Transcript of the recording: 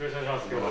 今日は。